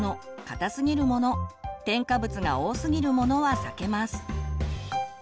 硬すぎるもの添加物が多すぎるものは避けます。